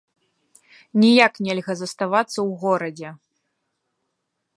Ніяк нельга заставацца ў горадзе.